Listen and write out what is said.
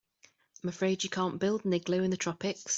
I'm afraid you can't build an igloo in the tropics.